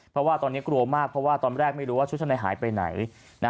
เพราะว่าตอนนี้กลัวมากเพราะว่าตอนแรกไม่รู้ว่าชุดชั้นในหายไปไหน